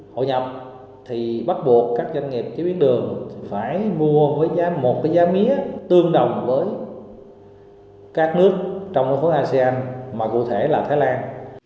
hội nhập thì bắt buộc các doanh nghiệp chế biến đường phải mua với một cái giá mía tương đồng với các nước trong nước phố asean mà cụ thể là thái lan